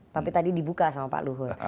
tapi tadi dibuka sama pak luhut